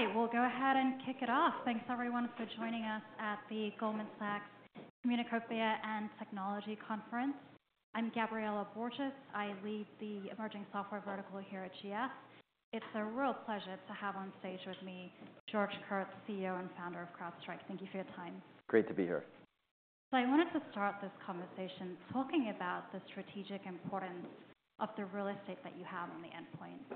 All right, we'll go ahead and kick it off. Thanks everyone for joining us at the Goldman Sachs Communacopia and Technology Conference. I'm Gabriela Borges. I lead the emerging software vertical here at GS. It's a real pleasure to have on stage with me, George Kurtz, CEO and Founder of CrowdStrike. Thank you for your time. Great to be here. I wanted to start this conversation talking about the strategic importance of the real estate that you have on the endpoint.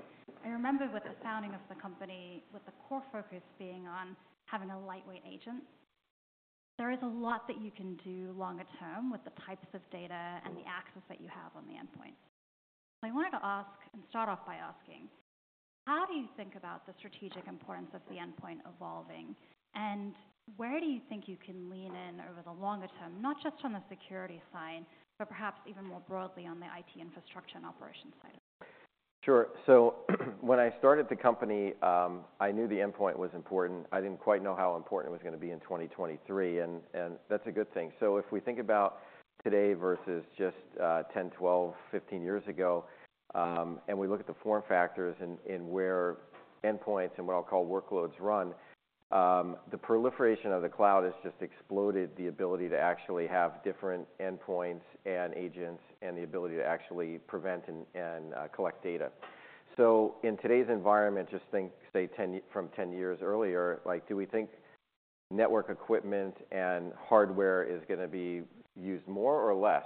I remember with the founding of the company, with the core focus being on having a lightweight agent, there is a lot that you can do longer term with the types of data and the access that you have on the endpoint. I wanted to ask, and start off by asking, how do you think about the strategic importance of the endpoint evolving, and where do you think you can lean in over the longer term, not just on the security side, but perhaps even more broadly on the IT infrastructure and operations side? Sure. So when I started the company, I knew the endpoint was important. I didn't quite know how important it was gonna be in 2023, and that's a good thing. So if we think about today versus just, 10, 12, 15 years ago, and we look at the form factors and where endpoints and what I'll call workloads run, the proliferation of the cloud has just exploded the ability to actually have different endpoints and agents, and the ability to actually prevent and collect data. So in today's environment, just think, say 10 years from 10 years earlier, like, do we think network equipment and hardware is gonna be used more or less?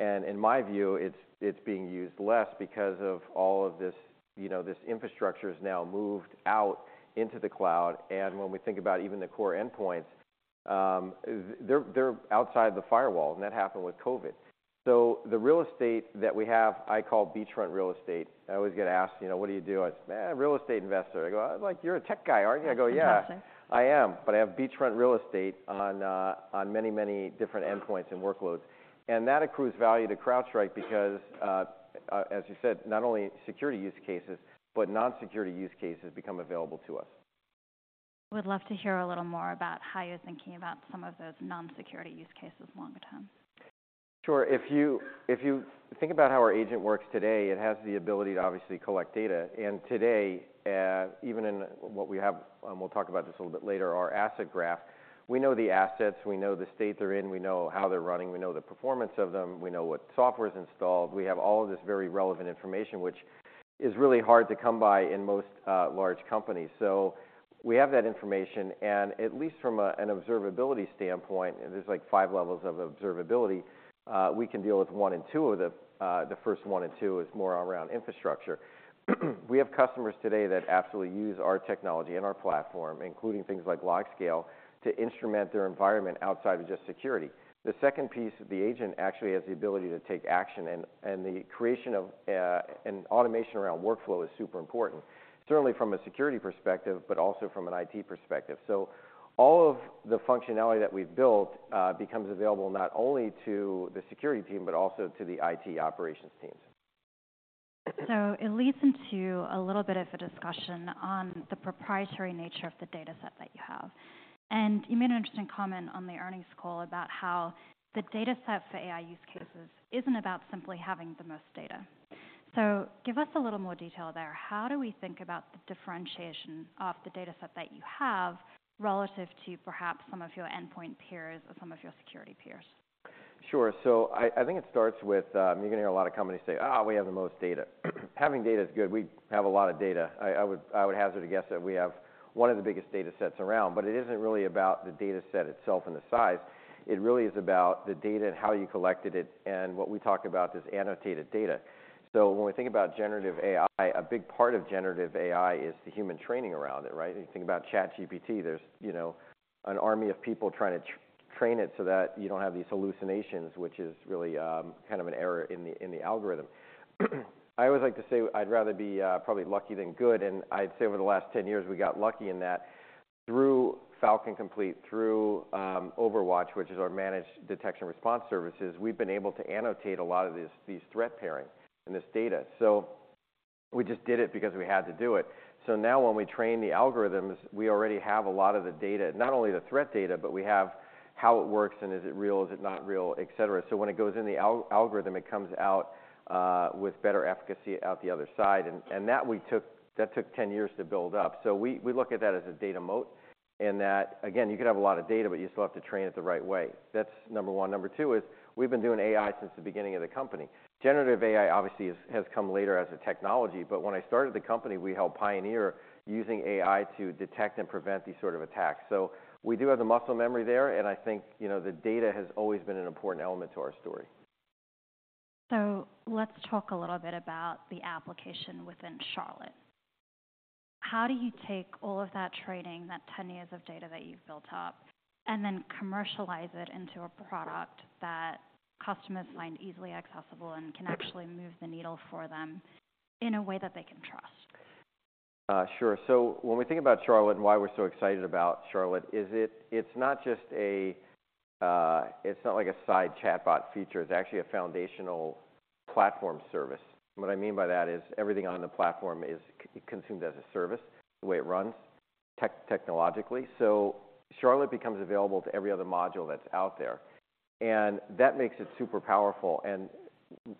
In my view, it's being used less because of all of this, you know, this infrastructure is now moved out into the cloud, and when we think about even the core endpoints, they're outside the firewall, and that happened with COVID. So the real estate that we have, I call beachfront real estate. I always get asked, you know, "What do you do?" I say, "Eh, real estate investor." They go, "Like, you're a tech guy, aren't you? Exactly. I go, "Yeah, I am, but I have beachfront real estate on many, many different endpoints and workloads." And that accrues value to CrowdStrike because, as you said, not only security use cases, but non-security use cases become available to us. Would love to hear a little more about how you're thinking about some of those non-security use cases longer term? Sure. If you think about how our agent works today, it has the ability to obviously collect data, and today, even in what we have, and we'll talk about this a little bit later, our asset graph, we know the assets, we know the state they're in, we know how they're running, we know the performance of them, we know what software is installed. We have all of this very relevant information, which is really hard to come by in most large companies. So we have that information, and at least from an observability standpoint, there's like five levels of observability, we can deal with one and two of the. The first one and two is more around infrastructure. We have customers today that absolutely use our technology and our platform, including things like LogScale, to instrument their environment outside of just security. The second piece, the agent actually has the ability to take action and the creation of automation around workflow is super important, certainly from a security perspective, but also from an IT perspective. So all of the functionality that we've built becomes available not only to the security team, but also to the IT operations teams. So it leads into a little bit of a discussion on the proprietary nature of the data set that you have. And you made an interesting comment on the earnings call about how the data set for AI use cases isn't about simply having the most data. So give us a little more detail there. How do we think about the differentiation of the data set that you have relative to perhaps some of your endpoint peers or some of your security peers? Sure. So I think it starts with... You're gonna hear a lot of companies say, "Ah, we have the most data." Having data is good. We have a lot of data. I would hazard a guess that we have one of the biggest data sets around, but it isn't really about the data set itself and the size. It really is about the data and how you collected it, and what we talk about is annotated data. So when we think about generative AI, a big part of generative AI is the human training around it, right? You think about ChatGPT, there's, you know, an army of people trying to train it so that you don't have these hallucinations, which is really, kind of an error in the algorithm. I always like to say, I'd rather be probably lucky than good, and I'd say over the last 10 years, we got lucky in that. Through Falcon Complete, through OverWatch, which is our managed detection response services, we've been able to annotate a lot of these threat pairings and this data. So we just did it because we had to do it. So now when we train the algorithms, we already have a lot of the data, not only the threat data, but we have how it works and is it real, is it not real, et cetera. So when it goes in the algorithm, it comes out with better efficacy out the other side. And that took 10 years to build up. So we look at that as a data moat, and that, again, you could have a lot of data, but you still have to train it the right way. That's number one. Number two is we've been doing AI since the beginning of the company. Generative AI obviously has come later as a technology, but when I started the company, we helped pioneer using AI to detect and prevent these sort of attacks. So we do have the muscle memory there, and I think, you know, the data has always been an important element to our story. Let's talk a little bit about the application within Charlotte. How do you take all of that training, that 10 years of data that you've built up, and then commercialize it into a product that customers find easily accessible and can actually move the needle for them in a way that they can trust? Sure. So when we think about Charlotte and why we're so excited about Charlotte is it, it's not just a, It's not like a side chatbot feature, it's actually a foundational platform service. What I mean by that is everything on the platform is consumed as a service, the way it runs technologically. So Charlotte becomes available to every other module that's out there... and that makes it super powerful. And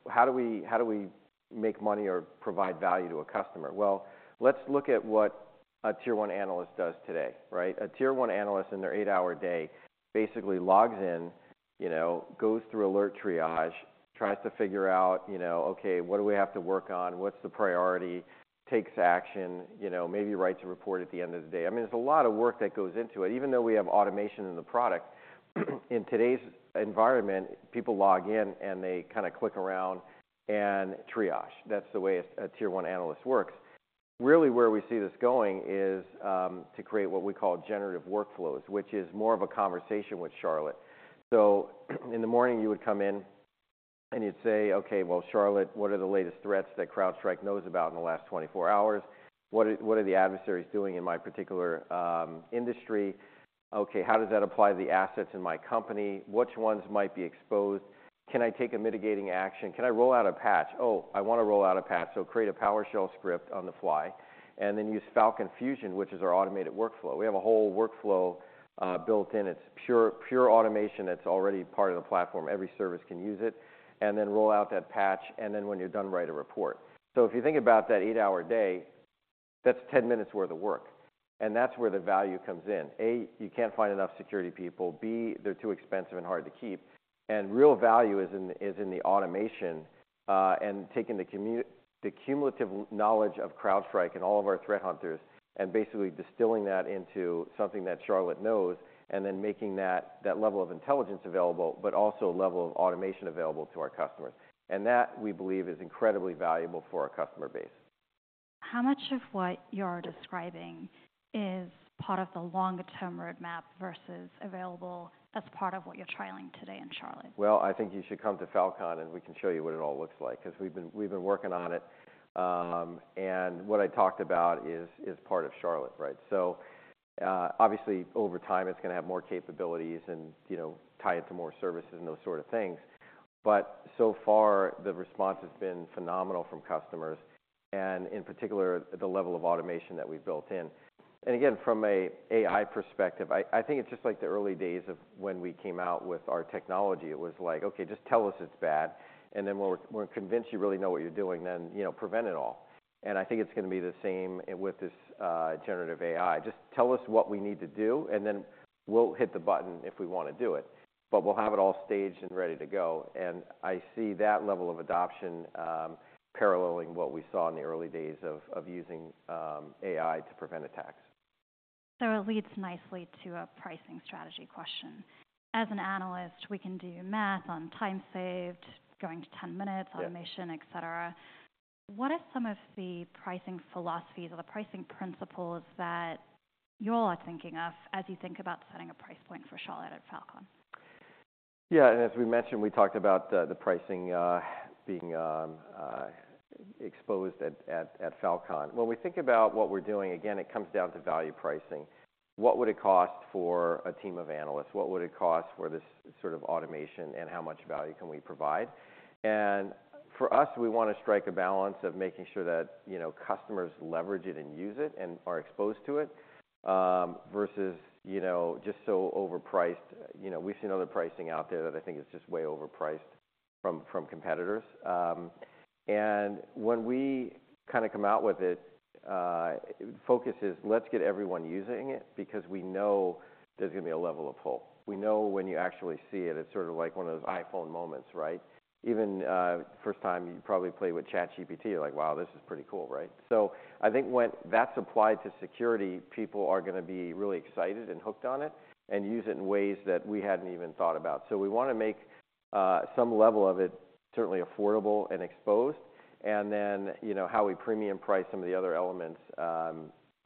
how do we, how do we make money or provide value to a customer? Well, let's look at what a tier one analyst does today, right? A tier one analyst in their eight-hour day basically logs in, you know, goes through alert triage, tries to figure out, you know, okay, what do we have to work on? What's the priority? Takes action, you know, maybe writes a report at the end of the day. I mean, there's a lot of work that goes into it, even though we have automation in the product. In today's environment, people log in, and they kind of click around and triage. That's the way a tier one analyst works. Really, where we see this going is to create what we call generative workflows, which is more of a conversation with Charlotte. So in the morning, you would come in, and you'd say: "Okay, well, Charlotte, what are the latest threats that CrowdStrike knows about in the last 24 hours? What are, what are the adversaries doing in my particular industry? Okay, how does that apply to the assets in my company? Which ones might be exposed? Can I take a mitigating action? Can I roll out a patch? Oh, I want to roll out a patch." So create a PowerShell script on the fly, and then use Falcon Fusion, which is our automated workflow. We have a whole workflow built in. It's pure, pure automation that's already part of the platform. Every service can use it, and then roll out that patch, and then when you're done, write a report. So if you think about that eight-hour day, that's 10 minutes worth of work, and that's where the value comes in. A, you can't find enough security people. B, they're too expensive and hard to keep. Real value is in the automation, and taking the cumulative knowledge of CrowdStrike and all of our threat hunters, and basically distilling that into something that Charlotte knows, and then making that level of intelligence available, but also a level of automation available to our customers. That, we believe, is incredibly valuable for our customer base. How much of what you're describing is part of the longer-term roadmap versus available as part of what you're trialing today in Charlotte? Well, I think you should come to Falcon, and we can show you what it all looks like, 'cause we've been working on it. And what I talked about is part of Charlotte, right? So, obviously, over time, it's gonna have more capabilities and, you know, tie it to more services and those sort of things. But so far, the response has been phenomenal from customers, and in particular, the level of automation that we've built in. And again, from an AI perspective, I think it's just like the early days of when we came out with our technology. It was like: Okay, just tell us it's bad, and then when we're convinced you really know what you're doing, then, you know, prevent it all. And I think it's gonna be the same with this, generative AI. Just tell us what we need to do, and then we'll hit the button if we want to do it, but we'll have it all staged and ready to go. I see that level of adoption paralleling what we saw in the early days of using AI to prevent attacks. So it leads nicely to a pricing strategy question. As an analyst, we can do math on time saved, going to 10 minutes- Yeah... automation, et cetera. What are some of the pricing philosophies or the pricing principles that you all are thinking of as you think about setting a price point for Charlotte at Falcon? Yeah, and as we mentioned, we talked about the pricing being exposed at Falcon. When we think about what we're doing, again, it comes down to value pricing. What would it cost for a team of analysts? What would it cost for this sort of automation, and how much value can we provide? And for us, we want to strike a balance of making sure that, you know, customers leverage it and use it and are exposed to it, versus, you know, just so overpriced. You know, we've seen other pricing out there that I think is just way overpriced from competitors. And when we kinda come out with it, focus is, let's get everyone using it, because we know there's gonna be a level of pull. We know when you actually see it, it's sort of like one of those iPhone moments, right? Even first time you probably played with ChatGPT, you're like, "Wow, this is pretty cool," right? So I think when that's applied to security, people are gonna be really excited and hooked on it, and use it in ways that we hadn't even thought about. So we want to make some level of it certainly affordable and exposed, and then, you know, how we premium price some of the other elements,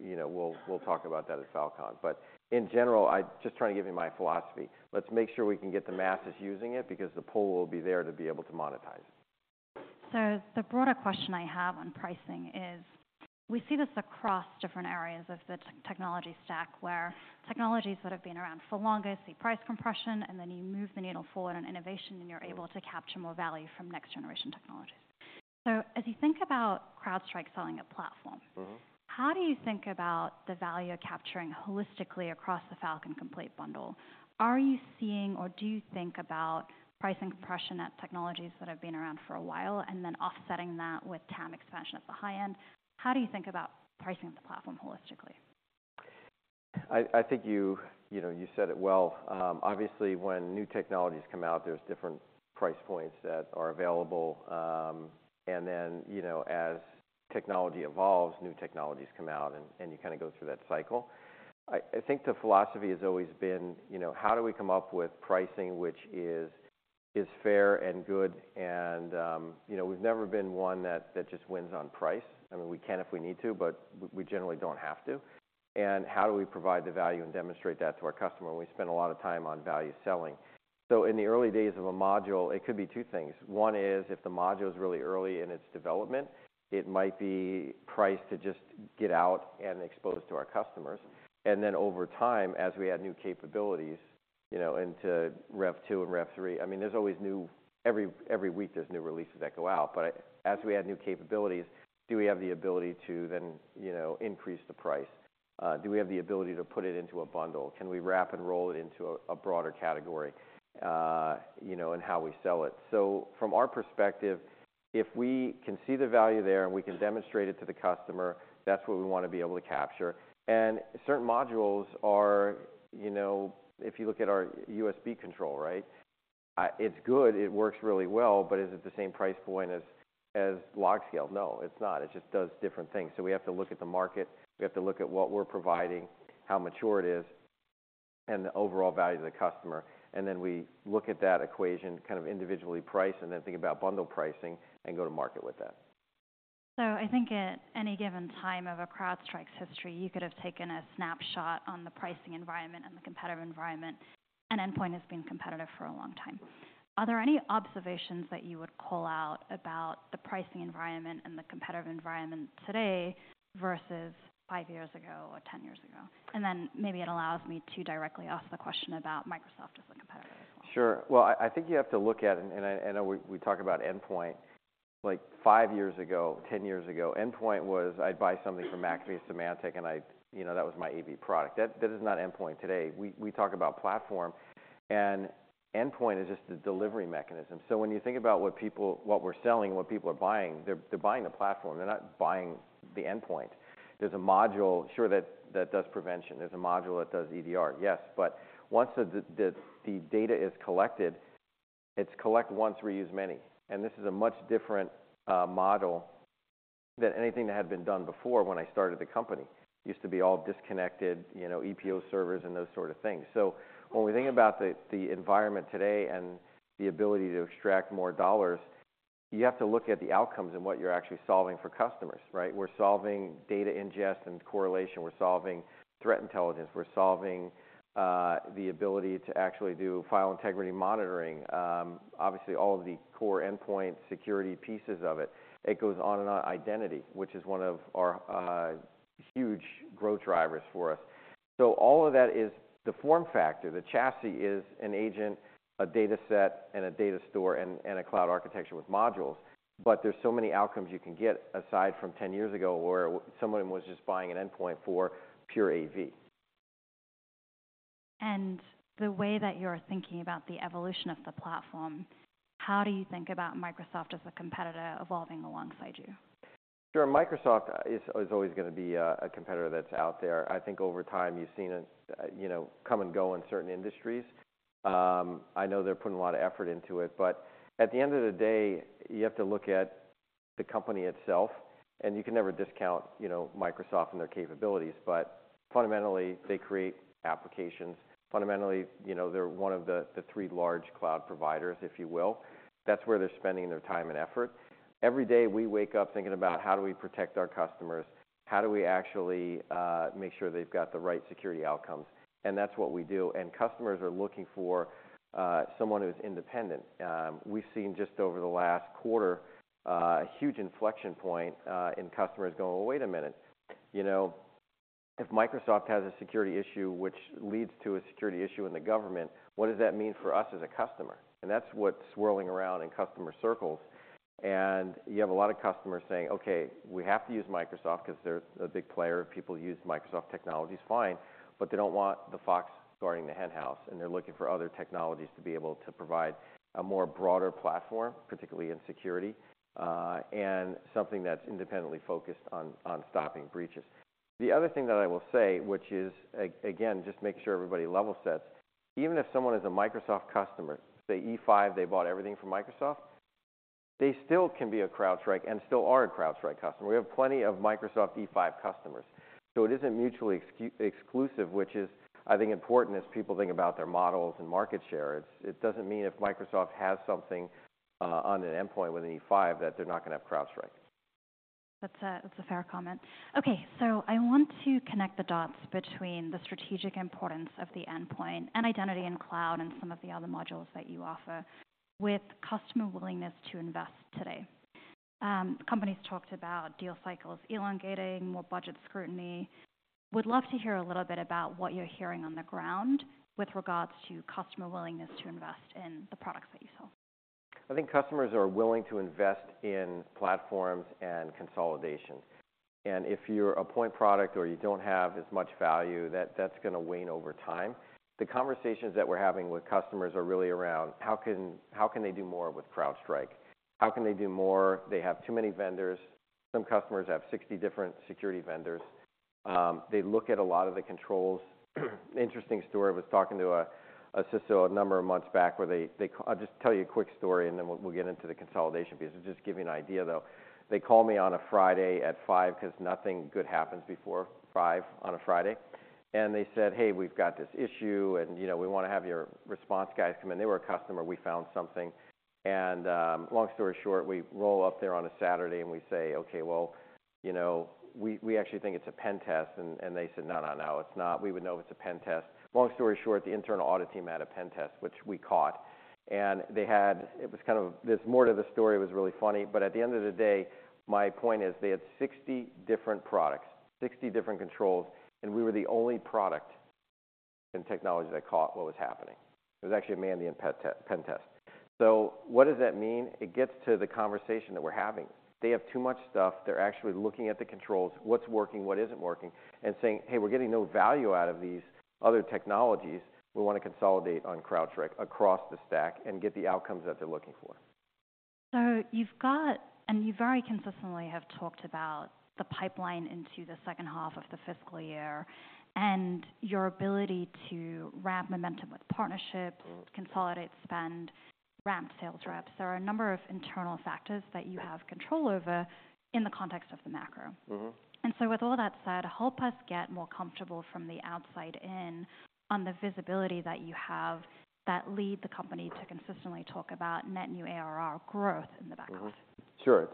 you know, we'll talk about that at Falcon. But in general, I just trying to give you my philosophy. Let's make sure we can get the masses using it, because the pull will be there to be able to monetize it. The broader question I have on pricing is, we see this across different areas of the technology stack, where technologies that have been around for longer see price compression, and then you move the needle forward on innovation, and you're able to capture more value from next-generation technologies. So as you think about CrowdStrike selling a platform- Mm-hmm. How do you think about the value of capturing holistically across the Falcon Complete bundle? Are you seeing or do you think about pricing compression at technologies that have been around for a while, and then offsetting that with TAM expansion at the high end? How do you think about pricing the platform holistically? I think you know you said it well. Obviously, when new technologies come out, there's different price points that are available. And then, you know, as technology evolves, new technologies come out, and you kind of go through that cycle. I think the philosophy has always been, you know, how do we come up with pricing which is fair and good? And, you know, we've never been one that just wins on price. I mean, we can if we need to, but we generally don't have to. And how do we provide the value and demonstrate that to our customer? And we spend a lot of time on value selling. So in the early days of a module, it could be two things. One is, if the module is really early in its development, it might be priced to just get out and exposed to our customers. And then over time, as we add new capabilities, you know, into rev two and rev three. I mean, there's always new releases every week that go out, but as we add new capabilities, do we have the ability to then, you know, increase the price? Do we have the ability to put it into a bundle? Can we wrap and roll it into a broader category, you know, in how we sell it? So from our perspective, if we can see the value there and we can demonstrate it to the customer, that's what we want to be able to capture. And certain modules are. You know, if you look at our USB control, right? It's good, it works really well, but is it the same price point as, as LogScale? No, it's not. It just does different things. So we have to look at the market, we have to look at what we're providing, how mature it is, and the overall value to the customer, and then we look at that equation, kind of individually price, and then think about bundle pricing, and go to market with that. So I think at any given time of CrowdStrike's history, you could have taken a snapshot on the pricing environment and the competitive environment, and endpoint has been competitive for a long time. Are there any observations that you would call out about the pricing environment and the competitive environment today versus five years ago or 10 years ago? Then maybe it allows me to directly ask the question about Microsoft as a competitor. Sure. Well, I think you have to look at, and I know we talked about Endpoint. Like five years ago, 10 years ago, Endpoint was, I'd buy something from McAfee Symantec, and I—you know, that was my AV product. That is not Endpoint today. We talk about platform, and Endpoint is just a delivery mechanism. So when you think about what people—what we're selling and what people are buying, they're buying a platform. They're not buying the endpoint. There's a module, sure, that does prevention. There's a module that does EDR, yes, but once the data is collected, it's collect once, reuse many, and this is a much different model than anything that had been done before when I started the company. It used to be all disconnected, you know, ePO servers and those sort of things. So when we think about the environment today and the ability to extract more dollars, you have to look at the outcomes and what you're actually solving for customers, right? We're solving data ingest and correlation. We're solving threat intelligence. We're solving the ability to actually do file integrity monitoring. Obviously, all of the core endpoint security pieces of it. It goes on and on. Identity, which is one of our huge growth drivers for us. So all of that is the form factor. The chassis is an agent, a data set, and a data store, and a cloud architecture with modules. But there's so many outcomes you can get aside from 10 years ago, where someone was just buying an endpoint for pure AV. The way that you're thinking about the evolution of the platform, how do you think about Microsoft as a competitor evolving alongside you? Sure. Microsoft is always gonna be a competitor that's out there. I think over time you've seen us, you know, come and go in certain industries. I know they're putting a lot of effort into it, but at the end of the day, you have to look at the company itself, and you can never discount, you know, Microsoft and their capabilities, but fundamentally, they create applications. Fundamentally, you know, they're one of the three large cloud providers, if you will. That's where they're spending their time and effort. Every day we wake up thinking about: How do we protect our customers? How do we actually make sure they've got the right security outcomes? And that's what we do, and customers are looking for someone who's independent. We've seen, just over the last quarter, a huge inflection point, in customers going, "Well, wait a minute. You know, if Microsoft has a security issue which leads to a security issue in the government, what does that mean for us as a customer?" And that's what's swirling around in customer circles, and you have a lot of customers saying, "Okay, we have to use Microsoft because they're a big player." People use Microsoft technologies, fine, but they don't want the fox guarding the henhouse, and they're looking for other technologies to be able to provide a more broader platform, particularly in security, and something that's independently focused on stopping breaches. The other thing that I will say, which is again, just make sure everybody level sets. Even if someone is a Microsoft customer, say E5, they bought everything from Microsoft, they still can be a CrowdStrike and still are a CrowdStrike customer. We have plenty of Microsoft E5 customers, so it isn't mutually exclusive, which is, I think, important as people think about their models and market share. It, it doesn't mean if Microsoft has something on an endpoint with an E5, that they're not going to have CrowdStrike. That's a fair comment. Okay, so I want to connect the dots between the strategic importance of the endpoint and identity and cloud and some of the other modules that you offer, with customer willingness to invest today. Companies talked about deal cycles elongating, more budget scrutiny. Would love to hear a little bit about what you're hearing on the ground with regards to customer willingness to invest in the products that you sell. I think customers are willing to invest in platforms and consolidation, and if you're a point product or you don't have as much value, that's gonna wane over time. The conversations that we're having with customers are really around: How can they do more with CrowdStrike? How can they do more? They have too many vendors. Some customers have 60 different security vendors. They look at a lot of the controls. Interesting story, I was talking to a CISO a number of months back. I'll just tell you a quick story, and then we'll get into the consolidation piece. Just to give you an idea, though. They called me on a Friday at 5:00 cause nothing good happens before 5:00 on a Friday, and they said: "Hey, we've got this issue, and, you know, we want to have your response guys come in." They were a customer. We found something. And long story short, we roll up there on a Saturday and we say, "Okay, well, you know, we actually think it's a pen test." And they said, "No, no, no, it's not. We would know if it's a pen test." Long story short, the internal audit team had a pen test, which we caught, and they had... It was kind of... There's more to the story. It was really funny. But at the end of the day, my point is, they had 60 different products, 60 different controls, and we were the only product and technology that caught what was happening. It was actually a man in the pen test. So what does that mean? It gets to the conversation that we're having. They have too much stuff. They're actually looking at the controls, what's working, what isn't working, and saying: "Hey, we're getting no value out of these other technologies. We want to consolidate on CrowdStrike across the stack and get the outcomes that they're looking for. So you've got, and you very consistently have talked about the pipeline into the second half of the fiscal year, and your ability to ramp momentum with partnerships- Mm-hmm. Consolidate spend, ramp sales reps. There are a number of internal factors that you have control over in the context of the macro. Mm-hmm. With all that said, help us get more comfortable from the outside in on the visibility that you have that lead the company to consistently talk about net new ARR growth in the backlog. Mm-hmm. Sure. It's a,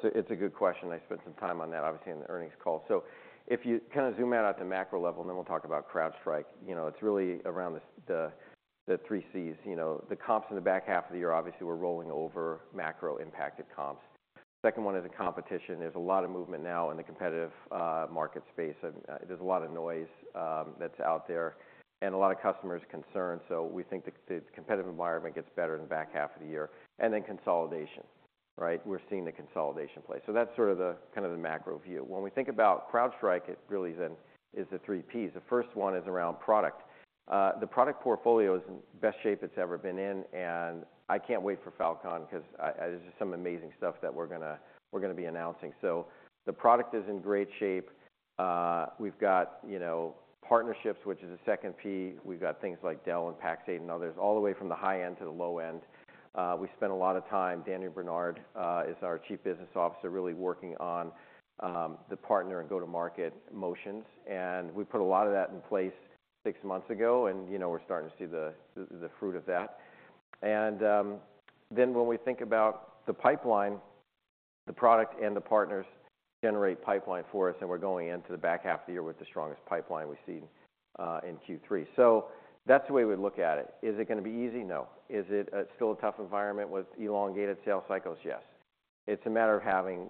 it's a good question. I spent some time on that, obviously, in the earnings call. So if you kind of zoom out at the macro level, and then we'll talk about CrowdStrike, you know, it's really around the three C's, you know. The comps in the back half of the year, obviously, we're rolling over macro impacted comps. Second one is the competition. There's a lot of movement now in the competitive market space, and there's a lot of noise that's out there and a lot of customers concerned, so we think the competitive environment gets better in the back half of the year. And then consolidation, right? We're seeing the consolidation play. So that's sort of the, kind of the macro view. When we think about CrowdStrike, it really then is the three P's. The first one is around product. The product portfolio is in best shape it's ever been in, and I can't wait for Falcon because there's just some amazing stuff that we're gonna, we're gonna be announcing. So the product is in great shape. We've got, you know, partnerships, which is the second P. We've got things like Dell and Pax8 and others, all the way from the high end to the low end. We spend a lot of time, Daniel Bernard is our Chief Business Officer, really working on the partner and go-to-market motions, and we put a lot of that in place six months ago, and, you know, we're starting to see the fruit of that. And, then when we think about the pipeline, the product and the partners generate pipeline for us, and we're going into the back half of the year with the strongest pipeline we've seen, in Q3. So that's the way we look at it. Is it going to be easy? No. Is it still a tough environment with elongated sales cycles? Yes. It's a matter of having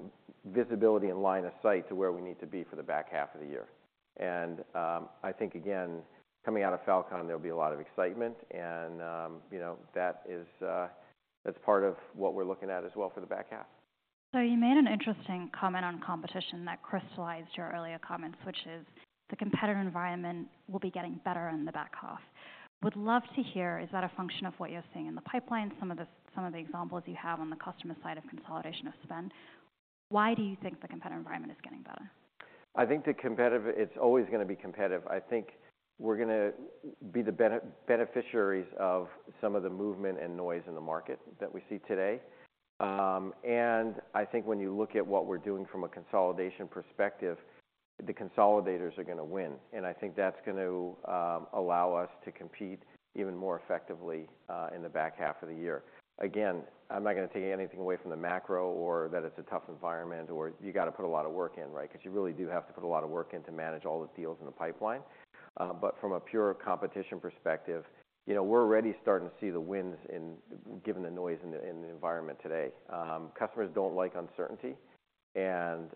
visibility and line of sight to where we need to be for the back half of the year. And, I think, again, coming out of Falcon, there'll be a lot of excitement and, you know, that is, that's part of what we're looking at as well for the back half. So you made an interesting comment on competition that crystallized your earlier comments, which is the competitor environment will be getting better in the back half. Would love to hear, is that a function of what you're seeing in the pipeline, some of the, some of the examples you have on the customer side of consolidation of spend? Why do you think the competitor environment is getting better? I think the competitive—it's always going to be competitive. I think we're gonna be the beneficiaries of some of the movement and noise in the market that we see today. And I think when you look at what we're doing from a consolidation perspective, the consolidators are going to win, and I think that's going to allow us to compete even more effectively in the back half of the year. Again, I'm not going to take anything away from the macro or that it's a tough environment, or you got to put a lot of work in, right? Because you really do have to put a lot of work in to manage all the deals in the pipeline. But from a pure competition perspective, you know, we're already starting to see the wins, given the noise in the environment today. Customers don't like uncertainty, and,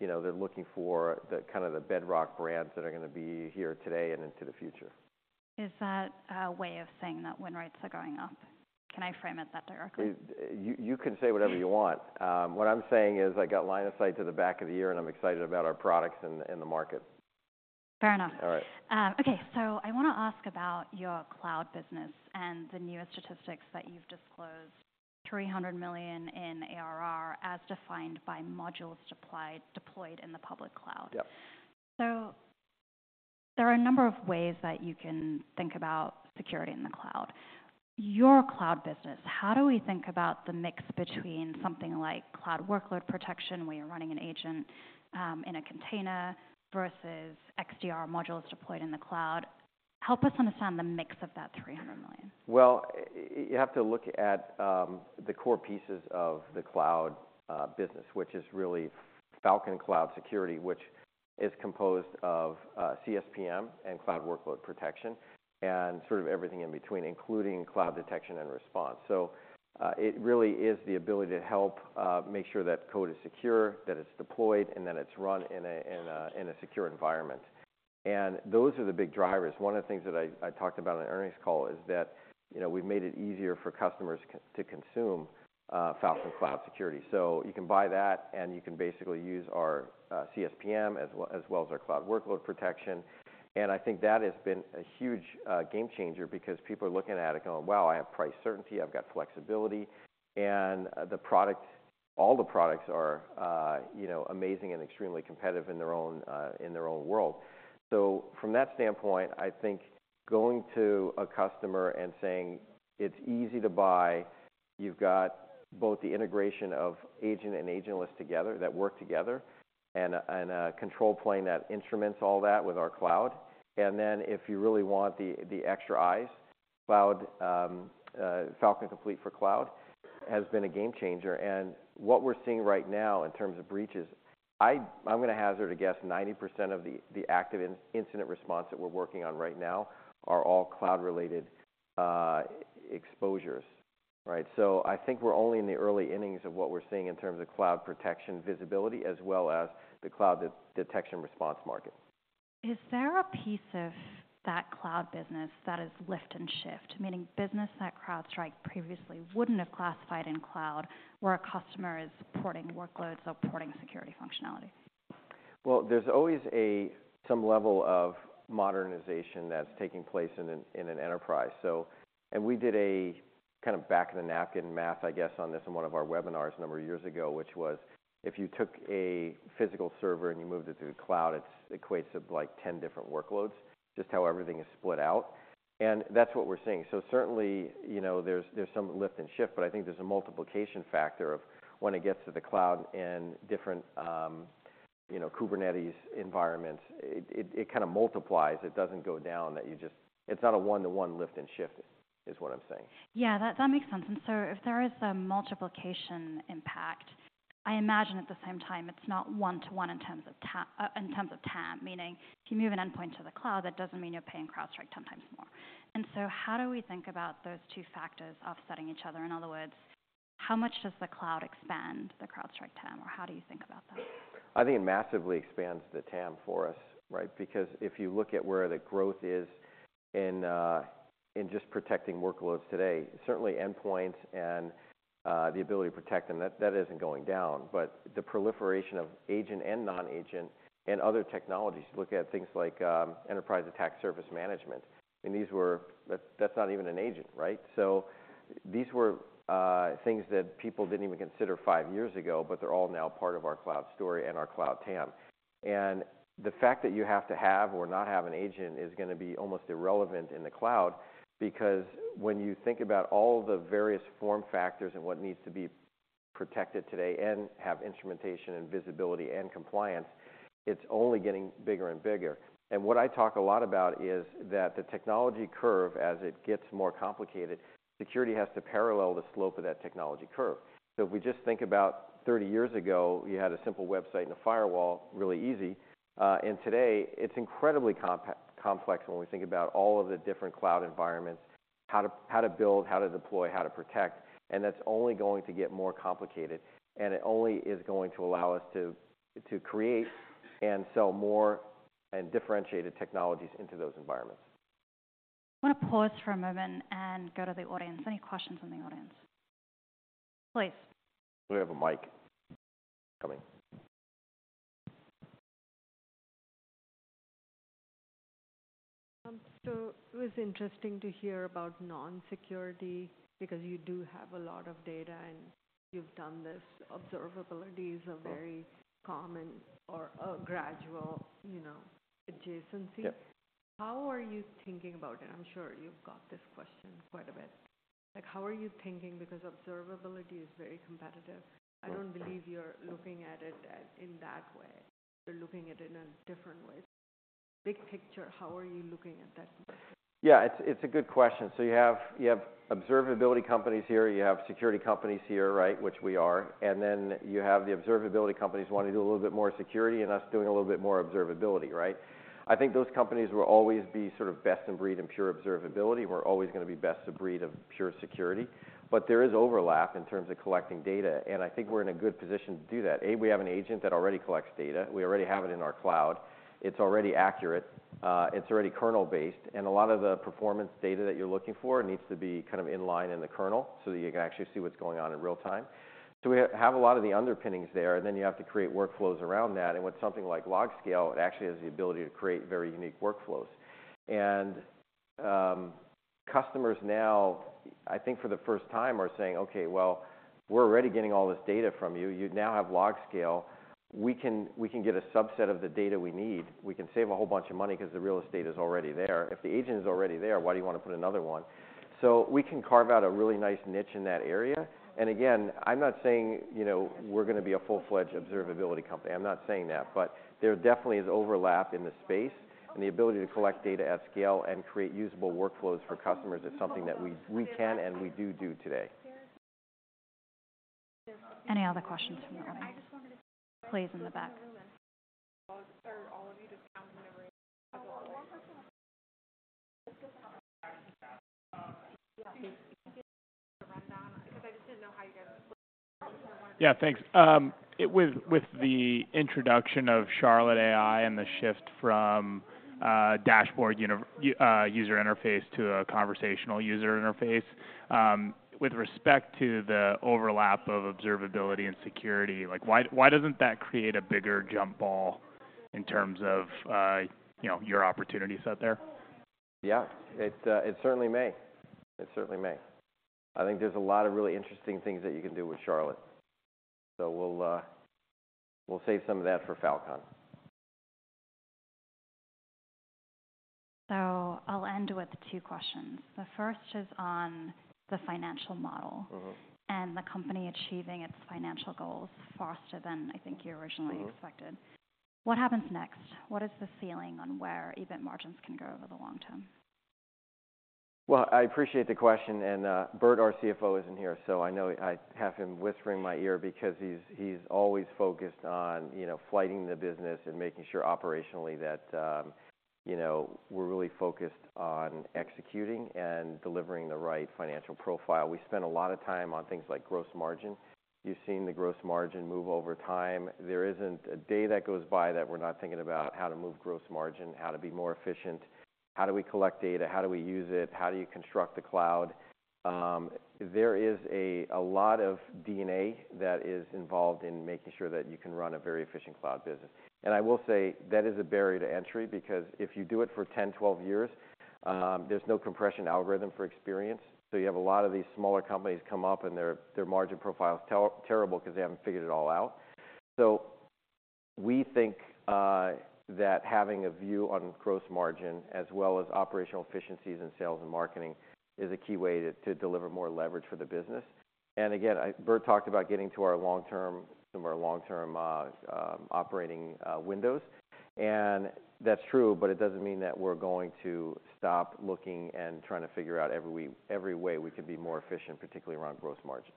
you know, they're looking for the kind of the bedrock brands that are going to be here today and into the future. Is that a way of saying that win rates are going up? Can I frame it that directly? You, you can say whatever you want. What I'm saying is I got line of sight to the back half of the year, and I'm excited about our products in the market. Fair enough. All right. Okay. I want to ask about your cloud business and the newest statistics that you've disclosed, $300 million in ARR, as defined by modules supplied, deployed in the public cloud. Yep. There are a number of ways that you can think about security in the cloud. Your cloud business, how do we think about the mix between something like cloud workload protection, where you're running an agent, in a container, versus XDR modules deployed in the cloud? Help us understand the mix of that $300 million. Well, you have to look at the core pieces of the cloud business, which is really Falcon Cloud Security, which is composed of CSPM and cloud workload protection, and sort of everything in between, including cloud detection and response. So it really is the ability to help make sure that code is secure, that it's deployed, and that it's run in a secure environment. And those are the big drivers. One of the things that I talked about on the earnings call is that, you know, we've made it easier for customers to consume Falcon Cloud Security. So you can buy that, and you can basically use our CSPM, as well as our cloud workload protection. And I think that has been a huge game changer because people are looking at it and going: "Wow, I have price certainty, I've got flexibility." And the product—all the products are, you know, amazing and extremely competitive in their own world. So from that standpoint, I think going to a customer and saying: It's easy to buy, you've got both the integration of agent and agentless together, that work together, and a control plane that instruments all that with our cloud. And then, if you really want the extra eyes, cloud, Falcon Complete for Cloud has been a game changer. And what we're seeing right now in terms of breaches, I'm going to hazard a guess, 90% of the active incident response that we're working on right now are all cloud-related exposures. Right. So I think we're only in the early innings of what we're seeing in terms of cloud protection visibility, as well as the cloud detection response market. Is there a piece of that cloud business that is lift and shift, meaning business that CrowdStrike previously wouldn't have classified in cloud, where a customer is porting workloads or porting security functionality? Well, there's always some level of modernization that's taking place in an enterprise, so... And we did a kind of back-of-the-napkin math, I guess, on this in one of our webinars a number of years ago, which was, if you took a physical server and you moved it to the cloud, it's equates to, like, 10 different workloads, just how everything is split out. And that's what we're seeing. So certainly, you know, there's some lift and shift, but I think there's a multiplication factor of when it gets to the cloud and different, you know, Kubernetes environments, it kind of multiplies. It doesn't go down, that you just-- It's not a one-to-one lift and shift, is what I'm saying. Yeah, that, that makes sense. And so if there is a multiplication impact, I imagine at the same time, it's not one-to-one in terms of TAM. Meaning, if you move an endpoint to the cloud, that doesn't mean you're paying CrowdStrike 10 times more. And so how do we think about those two factors offsetting each other? In other words, how much does the cloud expand the CrowdStrike TAM, or how do you think about that? I think it massively expands the TAM for us, right? Because if you look at where the growth is in just protecting workloads today, certainly endpoints and the ability to protect them, that isn't going down. But the proliferation of agent and non-agent and other technologies, look at things like enterprise attack surface management, and that's not even an agent, right? So these were things that people didn't even consider five years ago, but they're all now part of our cloud story and our cloud TAM. And the fact that you have to have or not have an agent is gonna be almost irrelevant in the cloud, because when you think about all the various form factors and what needs to be protected today and have instrumentation and visibility and compliance, it's only getting bigger and bigger. What I talk a lot about is that the technology curve, as it gets more complicated, security has to parallel the slope of that technology curve. So if we just think about 30 years ago, you had a simple website and a firewall, really easy, and today it's incredibly complex when we think about all of the different cloud environments, how to, how to build, how to deploy, how to protect, and that's only going to get more complicated, and it only is going to allow us to create and sell more and differentiated technologies into those environments. I'm gonna pause for a moment and go to the audience. Any questions from the audience? Please. Do we have a mic coming? So it was interesting to hear about non-security, because you do have a lot of data, and you've done this. Observability is a very- Yeah... common or a gradual, you know, adjacency. Yeah. How are you thinking about it? I'm sure you've got this question quite a bit. Like, how are you thinking? Because observability is very competitive. Right. I don't believe you're looking at it in that way. You're looking at it in a different way. Big picture, how are you looking at that space? Yeah, it's, it's a good question. So you have, you have observability companies here, you have security companies here, right, which we are, and then you have the observability companies wanting to do a little bit more security and us doing a little bit more observability, right? I think those companies will always be sort of best in breed in pure observability. We're always gonna be best of breed of pure security. But there is overlap in terms of collecting data, and I think we're in a good position to do that. We have an agent that already collects data. We already have it in our cloud. It's already accurate, it's already kernel-based, and a lot of the performance data that you're looking for needs to be kind of in line in the kernel so that you can actually see what's going on in real time. So we have a lot of the underpinnings there, and then you have to create workflows around that. And with something like LogScale, it actually has the ability to create very unique workflows. And, customers now, I think for the first time, are saying, "Okay, well, we're already getting all this data from you. You now have LogScale. We can, we can get a subset of the data we need. We can save a whole bunch of money because the real estate is already there. If the agent is already there, why do you want to put another one?" So we can carve out a really nice niche in that area. And again, I'm not saying, you know, we're gonna be a full-fledged observability company. I'm not saying that, but there definitely is overlap in the space, and the ability to collect data at scale and create usable workflows for customers is something that we can and we do today. Any other questions from the audience? Please, in the back. Are all of you just down in the room? No, one person... Because I just didn't know how you guys- Yeah, thanks. With the introduction of Charlotte AI and the shift from dashboard user interface to a conversational user interface, with respect to the overlap of observability and security, like, why doesn't that create a bigger jump ball in terms of, you know, your opportunities out there? Yeah, it certainly may. It certainly may. I think there's a lot of really interesting things that you can do with Charlotte, so we'll save some of that for Falcon. So I'll end with two questions. The first is on the financial model- Mm-hmm... and the company achieving its financial goals faster than I think you originally expected. Mm-hmm. What happens next? What is the ceiling on where event margins can go over the long term? Well, I appreciate the question, and Burt, our CFO, isn't here, so I know I have him whispering in my ear because he's always focused on, you know, flighting the business and making sure operationally that, you know, we're really focused on executing and delivering the right financial profile. We spend a lot of time on things like gross margin. You've seen the gross margin move over time. There isn't a day that goes by that we're not thinking about how to move gross margin, how to be more efficient, how do we collect data, how do we use it? How do you construct the cloud? There is a lot of DNA that is involved in making sure that you can run a very efficient cloud business. And I will say that is a barrier to entry, because if you do it for 10, 12 years, there's no compression algorithm for experience. So you have a lot of these smaller companies come up, and their margin profile is terrible because they haven't figured it all out. So we think that having a view on gross margin as well as operational efficiencies in sales and marketing is a key way to deliver more leverage for the business. And again, I Burt talked about getting to our long-term, some of our long-term operating windows. And that's true, but it doesn't mean that we're going to stop looking and trying to figure out every way we could be more efficient, particularly around gross margin.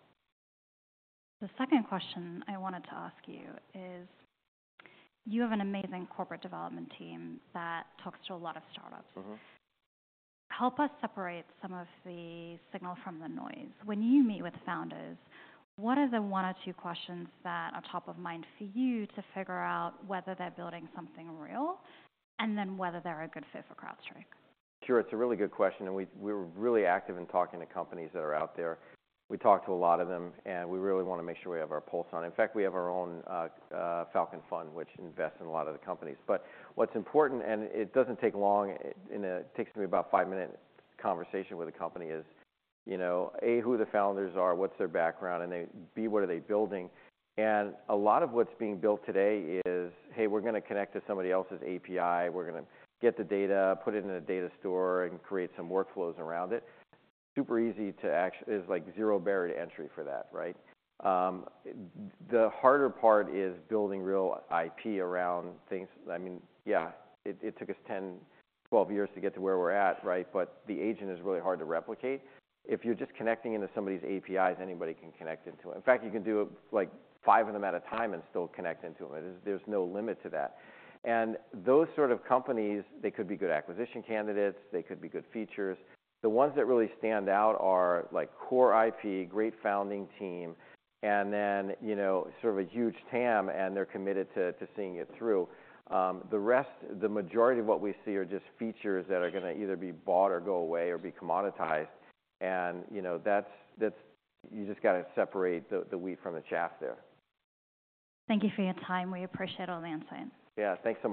The second question I wanted to ask you is: you have an amazing corporate development team that talks to a lot of startups. Mm-hmm. Help us separate some of the signal from the noise. When you meet with Founders, what are the one or two questions that are top of mind for you to figure out whether they're building something real, and then whether they're a good fit for CrowdStrike? Sure. It's a really good question, and we, we're really active in talking to companies that are out there. We talk to a lot of them, and we really want to make sure we have our pulse on. In fact, we have our own Falcon Fund, which invests in a lot of the companies. But what's important, and it doesn't take long, it, and takes me about a five-minute conversation with a company is, you know, A, who the Founders are, what's their background? And they... B, what are they building? And a lot of what's being built today is: Hey, we're going to connect to somebody else's API. We're going to get the data, put it in a data store, and create some workflows around it. Super easy to actually... It's like zero barrier to entry for that, right? The harder part is building real IP around things. I mean, yeah, it, it took us 10, 12 years to get to where we're at, right? But the agent is really hard to replicate. If you're just connecting into somebody's APIs, anybody can connect into it. In fact, you can do, like, five of them at a time and still connect into it. There's, there's no limit to that. And those sort of companies, they could be good acquisition candidates, they could be good features. The ones that really stand out are, like, core IP, great founding team, and then, you know, sort of a huge TAM, and they're committed to, to seeing it through. The rest, the majority of what we see are just features that are gonna either be bought or go away or be commoditized. And, you know, that's, that's... You just got to separate the wheat from the chaff there. Thank you for your time. We appreciate all the insight. Yeah. Thanks a lot.